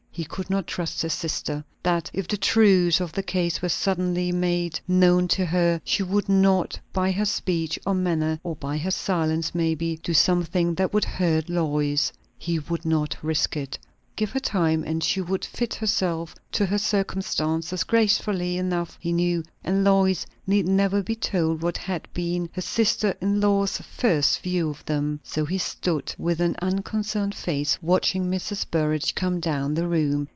He could not trust his sister, that if the truth of the case were suddenly made known to her, she would not by her speech, or manner, or by her silence maybe, do something that would hurt Lois. He would not risk it. Give her time, and she would fit herself to her circumstances gracefully enough, he knew; and Lois need never be told what had been her sister in law's first view of them. So he stood, with an unconcerned face, watching Mrs. Burrage come down the room.